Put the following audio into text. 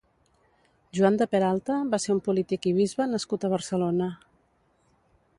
Joan de Peralta va ser un polític i bisbe nascut a Barcelona.